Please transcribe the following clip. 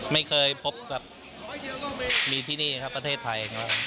ไม่เคยพบครับมีที่นี่ครับประเทศไทยครับ